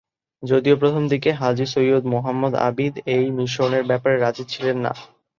যদিও প্রথমদিকে হাজী সৈয়দ মোহাম্মদ আবিদ এই মিশনের ব্যাপারে রাজি ছিলেন না।